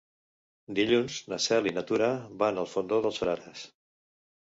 Dilluns na Cel i na Tura van al Fondó dels Frares.